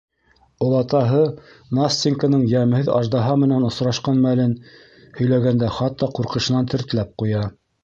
Олатаһы Настеньканың йәмһеҙ аждаһа менән осрашҡан мәлен һөйләгәндә хатта ҡурҡышынан тертләп ҡуя.